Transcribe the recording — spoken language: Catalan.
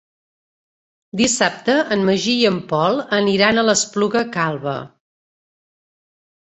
Dissabte en Magí i en Pol aniran a l'Espluga Calba.